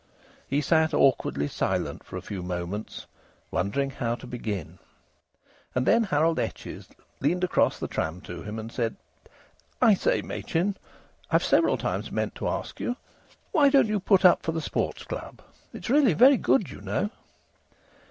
He sat awkwardly silent for a few moments, wondering how to begin. And then Harold Etches leaned across the tram to him and said: "I say, Machin, I've several times meant to ask you. Why don't you put up for the Sports Club? It's really very good, you know."